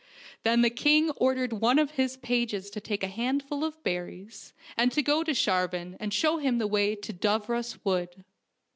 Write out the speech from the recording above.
Then the king ordered one of his pages to take a handful of berries, and to go to Sharvau and show him the way to Dooros Wood.